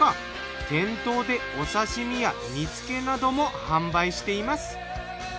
店頭でお刺身や煮付けなども販売しています。